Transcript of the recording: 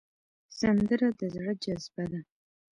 سندره د زړه جذبه ده